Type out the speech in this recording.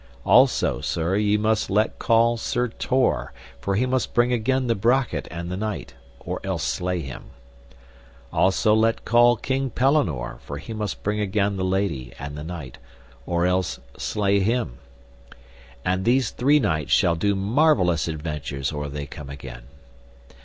Also, sir, ye must let call Sir Tor, for he must bring again the brachet and the knight, or else slay him. Also let call King Pellinore, for he must bring again the lady and the knight, or else slay him. And these three knights shall do marvellous adventures or they come again.